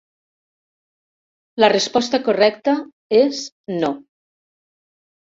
La resposta correcta és no.